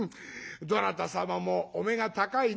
どなた様もお目が高いな」。